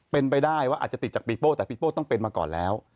เป็นไปได้ว่าอาจจะติดจากปีโป้แต่ปีโป้ต้องเป็นมาก่อนแล้ว